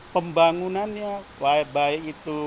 pembangunannya baik baik itu